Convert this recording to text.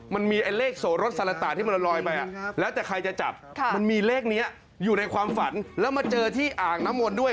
มันมีไอ้เลขโสรสารตะที่มันลอยไปแล้วแต่ใครจะจับมันมีเลขนี้อยู่ในความฝันแล้วมาเจอที่อ่างน้ำมนต์ด้วย